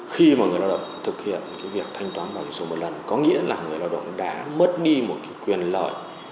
khi mà người lao động thực hiện việc thanh toán bảo hiểm xã hội một lần có nghĩa là người lao động đã mất đi một quyền lợi